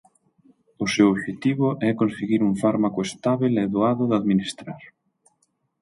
O seu obxectivo é conseguir un fármaco estábel e doado de administrar.